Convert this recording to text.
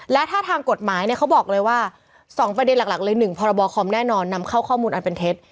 และถ้าทางกฎหมายเนี่ยเขาบอกเลยว่า๒ประเด็นหลักเลย๑พรบคอมแน่นอนนำเข้าข้อมูลอันเป็นเท็จ